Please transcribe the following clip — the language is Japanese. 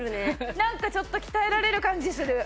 なんかちょっと鍛えられる感じする。